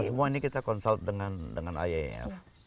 semua ini kita konsultasi dengan iaef